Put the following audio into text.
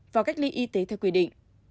và cách ly y tế theo quy định